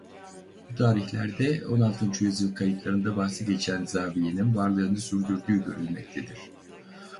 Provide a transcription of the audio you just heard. Bu tarihlerde on altıncı yüzyıl kayıtlarında bahsi geçen zaviyenin varlığını sürdürdüğü görülmektedir.